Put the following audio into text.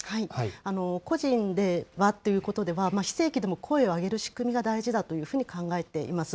個人ではということでは、非正規でも声を上げる仕組みが大事だというふうに考えています。